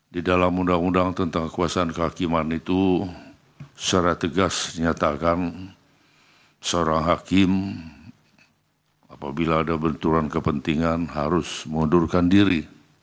di dalam undang undang tentang kekuasaan kehakiman itu secara tegas dinyatakan seorang hakim apabila ada benturan kepentingan harus mengundurkan diri